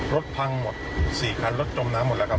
รถพังหมด๔คันรถจมน้ำหมดแล้วครับ